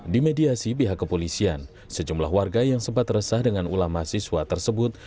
di mediasi pihak kepolisian sejumlah warga yang sempat resah dengan ulama siswa tersebut